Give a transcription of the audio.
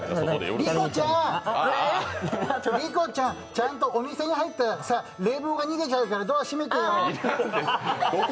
りこちゃん、ちゃんとお店に入ったら冷房が逃げちゃうからドア閉めてよ。